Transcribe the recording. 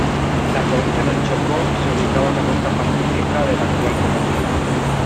La provincia del Chocó se ubicaba en la costa Pacífica de la actual Colombia.